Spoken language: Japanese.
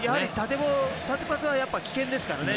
縦パスは危険ですからね。